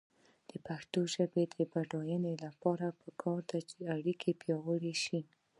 د پښتو ژبې د بډاینې لپاره پکار ده چې اړیکې پیاوړې شي.